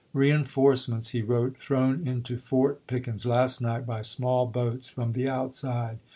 " Reenforcements," he wrote, "thrown into Fort Pickens last night by small boats from the outside.